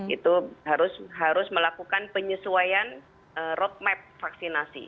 itu harus melakukan penyesuaian roadmap vaksinasi